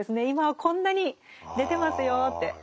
今はこんなに出てますよって。